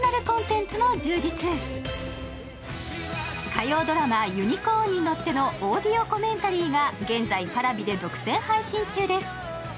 火曜ドラマ「ユニコーンに乗って」のオーディオコメンタリーが現在Ｐａｒａｖｉで独占配信中です。